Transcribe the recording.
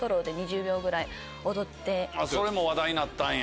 それも話題になったんや。